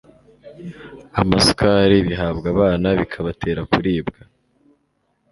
amasukari bihabwa abana bikabatera kuribwa